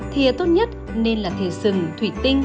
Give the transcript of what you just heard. thề tốt nhất nên là thề sừng thủy tinh